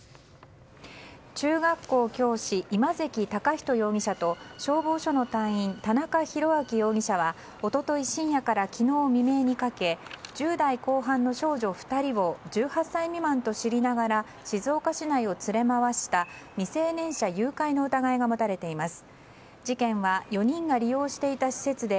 中学校教師、今関崇人容疑者と消防署の隊員、田中宏明容疑者は一昨日深夜から昨日未明にかけ１０代後半の少女２人を１８歳未満と知りながら静岡市内を連れまわした未成年者誘拐の疑いが持たれています。